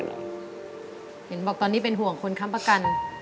เห็นบอกตอนนี้เป็นห่วงคนค้ำประกัน